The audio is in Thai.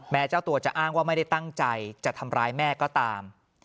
เจ้าตัวจะอ้างว่าไม่ได้ตั้งใจจะทำร้ายแม่ก็ตาม